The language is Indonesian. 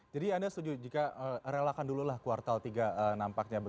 jadi anda setuju jika relakan dulu lah kuartal tiga nampaknya